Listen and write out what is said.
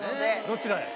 どちらへ？